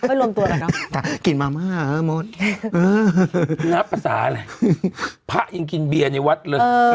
อืมไม่รวมตัวแบบนั้นฮะกินมาม่าหมดนับภาษาอะไรพะยังกินเบียร์ในวัดเลยเออ